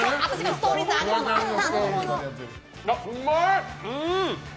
うまい！